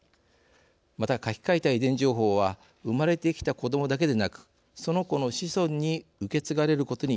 また書き換えた遺伝情報は生まれてきた子どもだけでなくその子の子孫に受け継がれることになります。